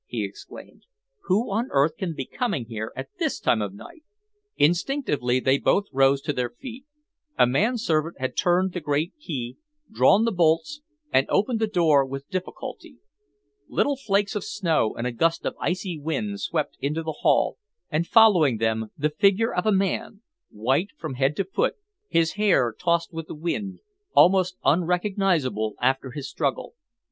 he exclaimed. "Who on earth can be coming here at this time of night!" Instinctively they both rose to their feet. A manservant had turned the great key, drawn the bolts, and opened the door with difficulty. Little flakes of snow and a gust of icy wind swept into the hall, and following them the figure of a man, white from head to foot, his hair tossed with the wind, almost unrecognisable after his struggle.